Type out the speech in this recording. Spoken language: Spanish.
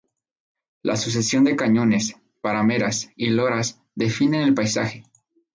La sucesión de cañones, parameras y loras definen el paisaje.